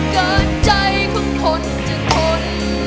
เกินใจของคนจนคน